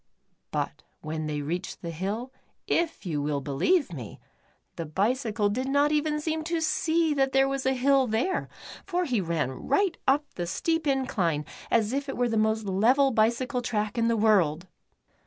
But w^hen they reached the hill, if you will be lieve me, the bicycle did not even seem to see that there was a hill there, for he ran right up the steep incline, as if it were the most level bicycle track in the world.